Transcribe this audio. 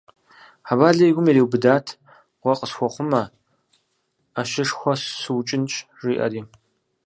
Хьэбалэ и гум ириубыдат, къуэ къысхуэхъумэ, ӏэщышхуэ сыукӏынщ жиӏэри.